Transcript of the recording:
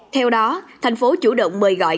theo đó thành phố chủ động mời gọi